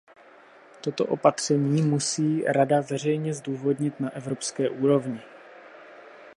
Tato opatření musí Rada veřejně zdůvodnit na evropské úrovni.